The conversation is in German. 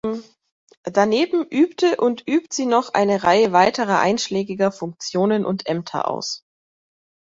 Daneben übte und übt sie noch eine Reihe weiterer einschlägiger Funktionen und Ämter aus.